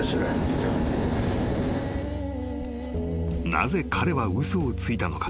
［なぜ彼は嘘をついたのか？］